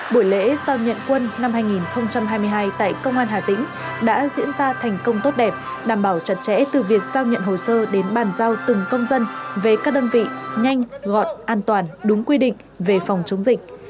buổi lễ giao nhận quân năm hai nghìn hai mươi hai tại công an hà tĩnh đã diễn ra thành công tốt đẹp đảm bảo chặt chẽ từ việc giao nhận hồ sơ đến bàn giao từng công dân về các đơn vị nhanh gọn an toàn đúng quy định về phòng chống dịch